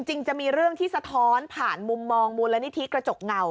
จริงจะมีเรื่องที่สะท้อนผ่านมุมมองมูลนิธิกระจกเงา